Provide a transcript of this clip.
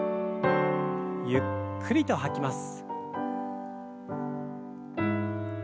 ゆっくりと吐きます。